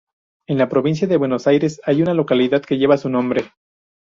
En la provincia de Buenos Aires hay una localidad que lleva su nombre.